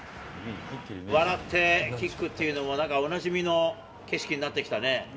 笑ってキックっていうのも、なんか、おなじみの景色になってきたね。